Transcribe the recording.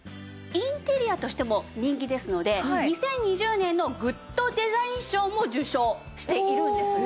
インテリアとしても人気ですので２０２０年のグッドデザイン賞も受賞しているんですね。